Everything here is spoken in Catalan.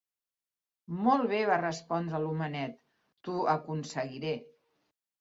"Molt bé", va respondre l'homenet; "t'ho aconseguiré".